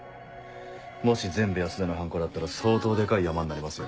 もし全部安田の犯行だったら相当デカいヤマになりますよ。